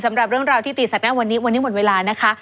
สำหรับเรื่องราวที่ตีแสกหน้าวันนี้วันนี้หมดเวลานะคะ